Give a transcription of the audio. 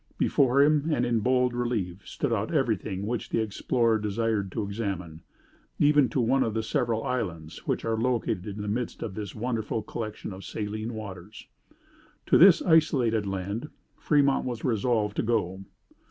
Before him, and in bold relief, stood out everything which the explorer desired to examine, even to one of the several islands which are located in the midst of this wonderful collection of saline waters. To this isolated land Fremont was resolved to go.